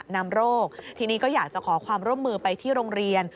นำโรคทีนี้ก็อยากจะขอความร่วมมือไปที่โรงเรียน